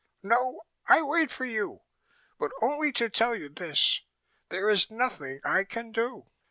"No. I wait for you, but only to tell you this: there is nothing I can do."